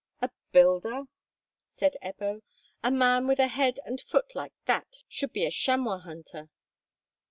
"A builder!" said Ebbo; "a man with a head and foot like that should be a chamois hunter!